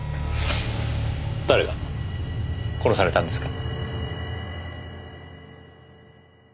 誰が殺されたんですか？